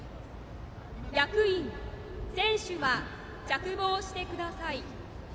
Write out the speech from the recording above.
役員、選手は着帽してください。